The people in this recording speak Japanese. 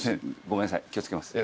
ごめんなさい気を付けます。